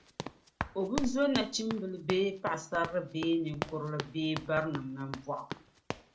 o bi zo nachimbil’ bee paɣisarili bee ninkurili bee barinim’ nambɔɣu.